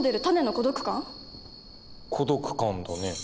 孤独感だね。